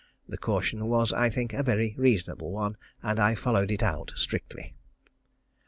The caution was, I think, a very reasonable one, and I followed it out strictly. 4.